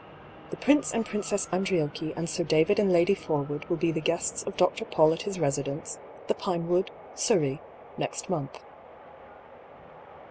"The Prince and Princess Andriocchi and Sir David and Lady Forwood will be the guests of Dr. Paull at his residence, the Pinewood, Surrey, next month."